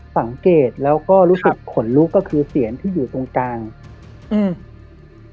สังเกตแล้วก็รู้สึกขนลุกก็คือเสียงที่อยู่ตรงกลางอืม